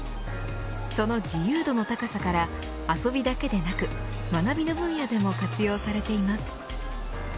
その自由度の高さから遊びだけでなく学びの分野でも活用されています。